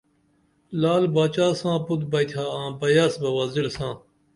لعل باچا ساں پُت بیئتھا آں بیاس بہ وزیر ساں